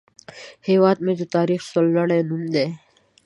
هیواد مې د تاریخ سرلوړی نوم دی